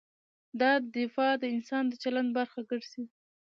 دا دفاع د انسان د چلند برخه ګرځي.